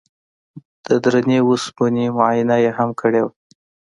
د درندې وسپنې معاینه یې هم کړې وه